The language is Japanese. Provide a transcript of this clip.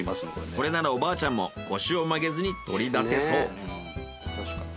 これならおばあちゃんも腰を曲げずに取り出せそう。